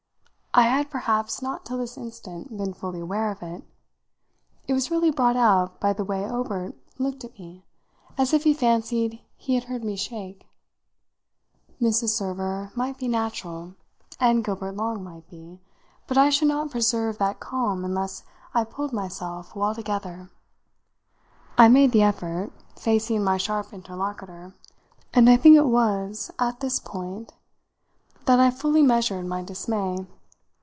I had perhaps not till this instant been fully aware of it it was really brought out by the way Obert looked at me as if he fancied he had heard me shake. Mrs. Server might be natural, and Gilbert Long might be, but I should not preserve that calm unless I pulled myself well together. I made the effort, facing my sharp interlocutor; and I think it was at this point that I fully measured my dismay.